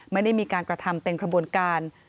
ไม่ได้มีการกระทำเป็นขบวนการ